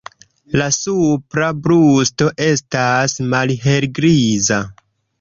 La supra brusto estas malhelgriza.